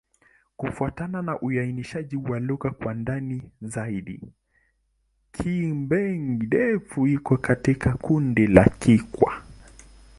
Kufuatana na uainishaji wa lugha kwa ndani zaidi, Kigbe-Defi iko katika kundi la Kikwa.